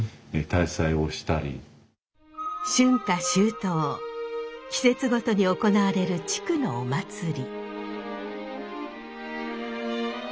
特にですね季節ごとに行われる地区のお祭り。